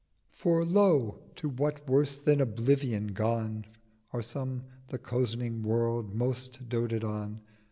'For lo, to what worse than oblivion gone Are some the cozening World most doted on.